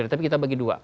tapi kita bagi dua